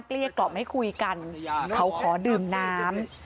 เกี้ยกล่อมให้คุยกันเขาขอดื่มน้ำ